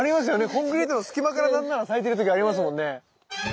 コンクリートの隙間から何なら咲いてる時ありますもんね。